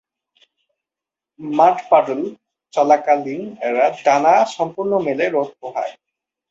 Mud puddle চলাকালীন এরা ডানা সম্পূর্ণ মেলে রোদ পোহায়।